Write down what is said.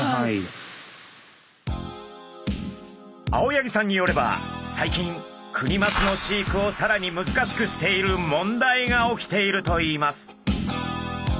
青柳さんによれば最近クニマスの飼育をさらに難しくしている問題が起きているといいます。